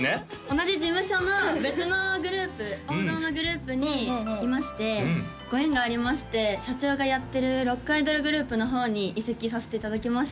同じ事務所の別のグループ王道のグループにいましてご縁がありまして社長がやってるロックアイドルグループの方に移籍させていただきました